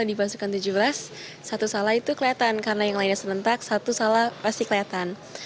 itu kelihatan karena yang lainnya serentak satu salah pasti kelihatan